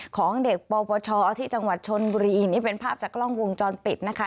ของเด็กปปชที่จังหวัดชนบุรีนี่เป็นภาพจากกล้องวงจรปิดนะคะ